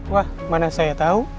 wah mana saya tau saya mah cuma ngantar